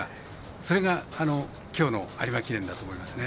それがきょうの有馬記念だと思いますね。